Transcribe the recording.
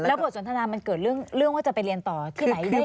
แล้วบทสนทนามันเกิดเรื่องว่าจะไปเรียนต่อที่ไหนได้อย่างไรคะ